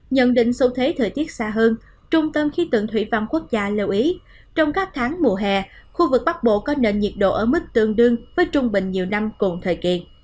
nhận định xu thế thời tiết xa hơn trung tâm khí tượng thủy văn quốc gia lưu ý trong các tháng mùa hè khu vực bắc bộ có nền nhiệt độ ở mức tương đương với trung bình nhiều năm cùng thời kỳ